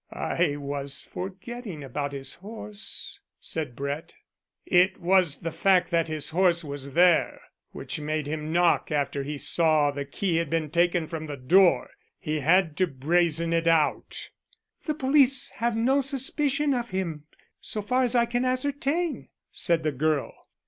"I was forgetting about his horse," said Brett. "It was the fact that his horse was there which made him knock after he saw the key had been taken from the door. He had to brazen it out." "The police have no suspicion of him, so far as I can ascertain," said the girl.